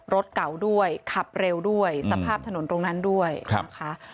รถเก่าด้วยขับเร็วด้วยสภาพถนนตรงนั้นด้วยนะคะ